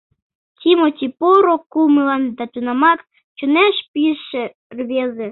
Тимоти поро кумылан да тунамак чонеш пижше рвезе.